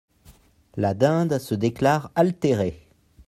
La Dinde se déclare altérée.